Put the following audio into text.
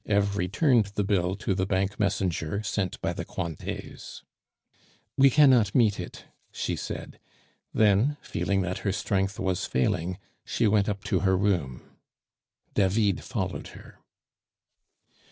Eve returned the bill to the bank messenger sent by the Cointets. "We cannot meet it," she said; then, feeling that her strength was failing, she went up to her room. David followed her.